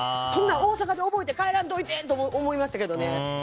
そんなん大阪で覚えて帰らんといてって思いましたけどね。